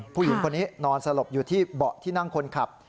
ผู้หญิงคนนี้นอนสลบอยู่ที่เบาะที่นั่งคนขับ